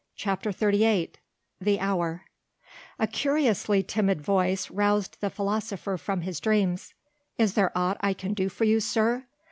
CHAPTER XXXVIII THE HOUR A curiously timid voice roused the philosopher from his dreams. "Is there aught I can do for you, sir?